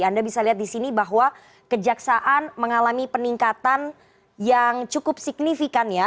anda bisa lihat di sini bahwa kejaksaan mengalami peningkatan yang cukup signifikan ya